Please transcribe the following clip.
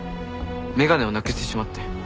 眼鏡をなくしてしまって。